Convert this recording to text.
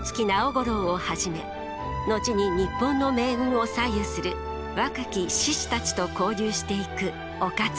五郎をはじめ後に日本の命運を左右する若き志士たちと交流していく於一。